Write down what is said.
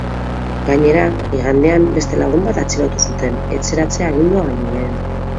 Gainera, igandean beste lagun bat atxilotu zuten, etxeratze agindua baino lehen.